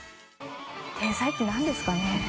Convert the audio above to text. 天才ってなんですかね？